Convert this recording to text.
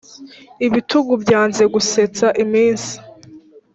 ibitugu byanze gusetsa iminsi,